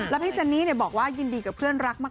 แล้วพี่เจนนี่บอกว่ายินดีกับเพื่อนรักมาก